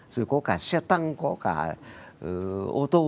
rồi có cả xe tăng có cả ô tô